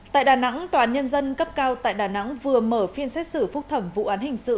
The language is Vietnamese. tại đà nẵng tòa án nhân dân cấp cao tại đà nẵng vừa mở phiên xét xử phúc thẩm vụ án hình sự